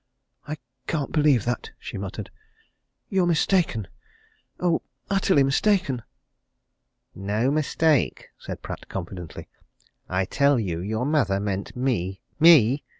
"I can't believe that!" she muttered. "You're mistaken! Oh utterly mistaken!" "No mistake!" said Pratt confidently. "I tell you your mother meant me me!